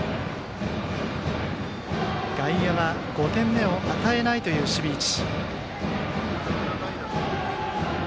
外野は５点目を与えないという守備位置。